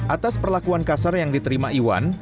atas perlakuan kasar yang diterima iwan